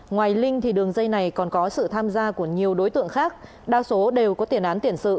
ngoài linh đường dây này còn có sự tham gia của nhiều đối tượng khác đa số đều có tiền án tiền sự